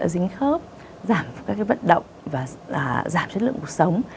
dính khớp giảm các vận động và giảm chất lượng cuộc sống